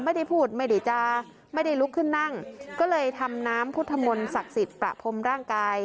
ไม่ได้พูดไม่ได้จะไม่ได้ลุกขึ้นนั่งก็เลยทำน้ำพุทธมนต์ศักดิ์สิทธิ์ประพรมร่างกาย